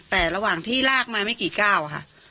แต่ระหว่างที่ลากมาไม่กี่ก้าวค่ะ